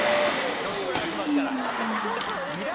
吉村が来ますから。